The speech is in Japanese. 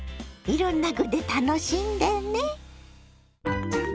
いろんな具で楽しんでね。